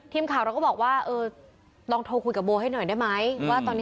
ทีมข่าวแล้วก็บอกว่าลองโทรคุยกับโบให้หน่อยได้ไหม